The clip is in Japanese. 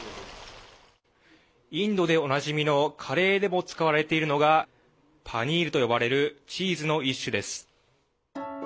インドでおなじみのカレーでも使われているのがパニールと呼ばれるチーズの一種です。